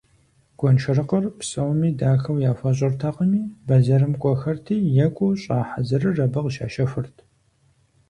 Гуэншэрыкъыр псоми дахэу яхуэщӀыртэкъыми, бэзэрым кӀуэхэрти, екӀуу щӀа хьэзырыр абы къыщащэхурт.